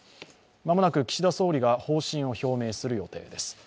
間もなく岸田総理が方針を表明する予定です。